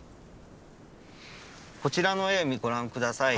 こちらの絵ご覧下さい。